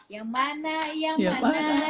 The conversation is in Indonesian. yang mana yang menarik